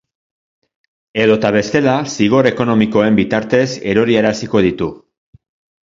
Edota bestela, zigor ekonomikoen bitartez eroriaraziko ditu.